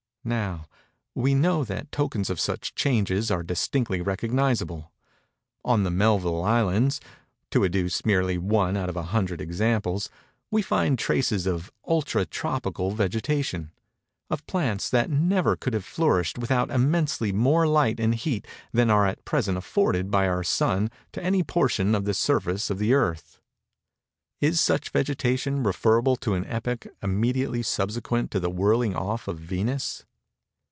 Now, we know that tokens of such changes are distinctly recognizable. On the Melville islands—to adduce merely one out of a hundred examples—we find traces of ultra tropical vegetation—of plants that never could have flourished without immensely more light and heat than are at present afforded by our Sun to any portion of the surface of the Earth. Is such vegetation referable to an epoch immediately subsequent to the whirling off of Venus?